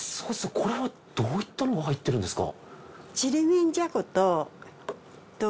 これはどういったのが入ってるんですか？